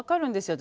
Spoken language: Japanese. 私。